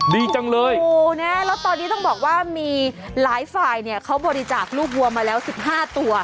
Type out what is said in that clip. ดีจังเลยโอ้โหนะแล้วตอนนี้ต้องบอกว่ามีหลายฝ่ายเนี่ยเขาบริจาคลูกวัวมาแล้วสิบห้าตัว